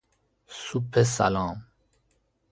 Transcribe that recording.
سوپ سلام